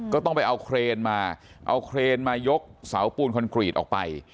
ก็ต้องไปเอาเครนมาเอาเครนมายกเสาปูนคอนกรีตออกไป